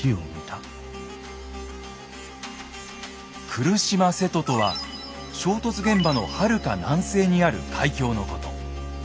「来島瀬戸」とは衝突現場のはるか南西にある海峡のこと。